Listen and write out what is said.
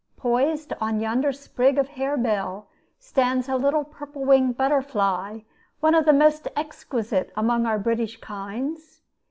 Poised on yonder sprig of harebell stands a little purple winged butterfly, one of the most exquisite among our British kinds.